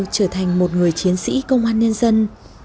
trở thành một người chiến sĩ công an nhân dân